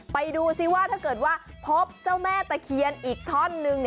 ไปดูซิว่าถ้าเกิดว่าพบเจ้าแม่ตะเคียนอีกท่อนนึง